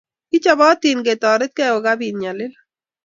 Kichopotin ketoretkei kokapit nyalil